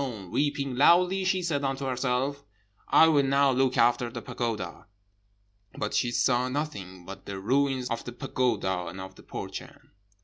Weeping loudly, she said unto herself, 'I will now look after the pagoda.' But she saw nothing but the ruins of the pagoda and of the Burchan.